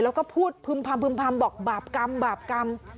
แล้วก็พูดพึ่มพำบอกบาปกรรม